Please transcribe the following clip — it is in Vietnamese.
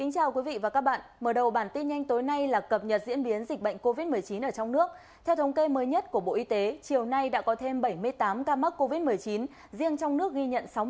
cảm ơn các bạn đã theo dõi